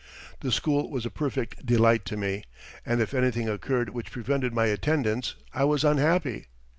] The school was a perfect delight to me, and if anything occurred which prevented my attendance I was unhappy.